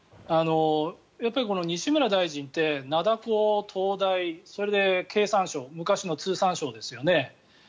やっぱり西村大臣って灘高、東大それで経産省昔の通産省ですよね。